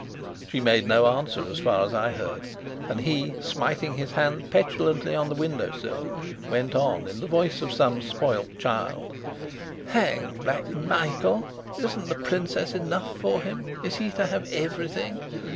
She made no answer so far as I heard; and he, smiting his hand petulantly on the window sill, went on, in the voice of some spoilt child: "Hang Black Michael! Isn't the princess enough for him? Is he to have everything?